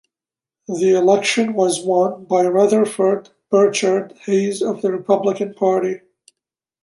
The election was won by Rutherford Birchard Hayes of the Republican Party.